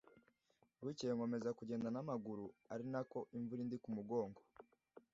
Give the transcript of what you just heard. bukeye nkomeza kugenda n’amaguru ari nako imvura indi ku mugongo